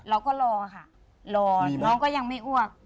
เราก็รอค่ะรอน้องก็ยังไม่อ้วก